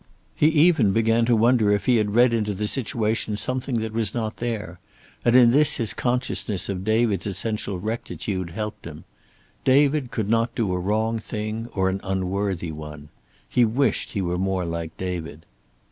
He even began to wonder if he had read into the situation something that was not there, and in this his consciousness of David's essential rectitude helped him. David could not do a wrong thing, or an unworthy one. He wished he were more like David.